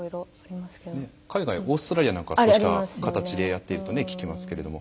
海外オーストラリアなんかはそうした形でやっていると聞きますけれども。